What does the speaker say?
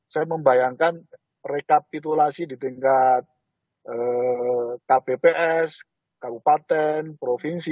saya membayangkan rekapitulasi di tingkat kpps kabupaten provinsi